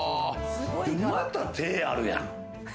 また、手あるやん。